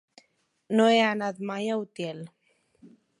No he anat mai a Utiel.